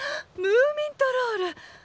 ムーミントロール！